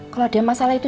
kalau ada masalah itu